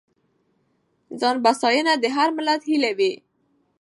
ځانبسیاینه د هر ملت هیله وي.